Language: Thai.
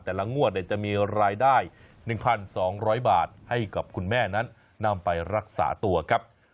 แต่ละงวดจะมีรายได้๑๒๐๐บาทให้กับคุณแม่นั้นนำไปรักษาตัวครับ